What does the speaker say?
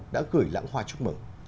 đã gửi lãng hoa chúc mừng